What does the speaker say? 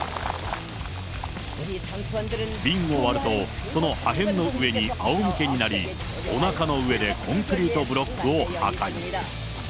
瓶を割ると、その破片の上にあおむけになり、おなかの上でコンクリートブロックを破壊。